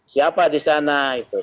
siapa di sana